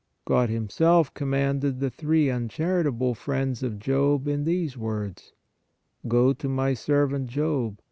God Himself commanded the three uncharitable friends of Job in these words :" Go to My servant Job